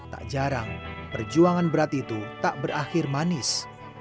tak jarang perjuangan berat itu tak berakhir manis